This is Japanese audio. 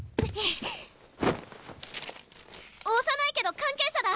幼いけど関係者だ。